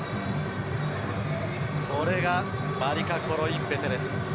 これがマリカ・コロインベテです。